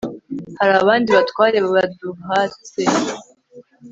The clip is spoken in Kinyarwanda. hari abandi batware baduhatse